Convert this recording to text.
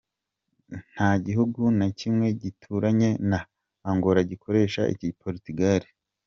Nta gihugu na kimwe gituranye na Angola gikoresha igi-portugal.